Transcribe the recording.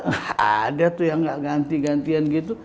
ah ada tuh yang gak ganti gantian gitu